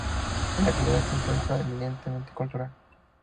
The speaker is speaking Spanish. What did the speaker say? En la actualidad es un centro eminentemente cultural.